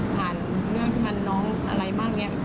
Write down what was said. ผ่านเรื่องทางเจ้าน้องอะไรบ้าง